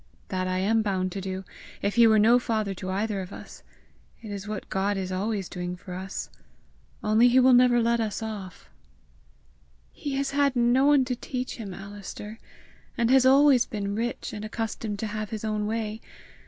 "That I am bound to do, if he were no father to either of us. It is what God is always doing for us! only he will never let us off." "He has had no one to teach him, Alister! and has always been rich, and accustomed to have his own way!